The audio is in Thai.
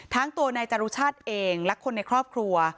ทั้งตัวนายจรุชาติเองและคนในครอบครัว